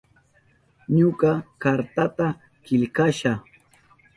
Ñuka kartata killkasha.